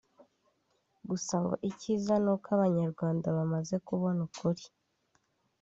Gusa ngo icyiza ni uko Abanyarwanda bamaze kubona ukuri